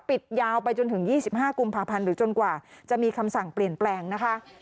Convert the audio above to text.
ยาวไปจนถึง๒๕กุมภาพันธ์หรือจนกว่าจะมีคำสั่งเปลี่ยนแปลงนะคะ